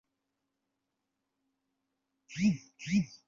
林梦省主要经济来源于农业及木材业。